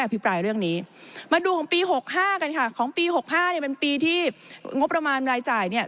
มาดูของปี๖๕ค่ะของปี๖๕เป็นปีที่งบประมาณรายจ่าย